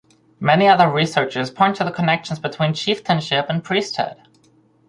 Many other researchers point to the connections between chieftainship and priesthood.